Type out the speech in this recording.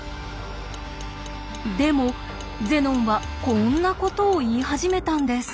でもゼノンはこんなことを言い始めたんです。